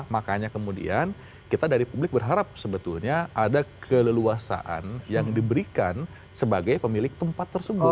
makanya kemudian kita dari publik berharap sebetulnya ada keleluasaan yang diberikan sebagai pemilik tempat tersebut